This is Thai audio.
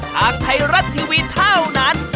ทางไทยรัฐทีวีเท่านั้น